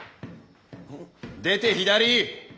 出て左。